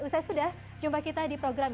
usai sudah jumpa kita di program